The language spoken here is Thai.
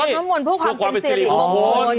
รดน้ำมนต์เพื่อความเป็นเสียหลีกปกป้น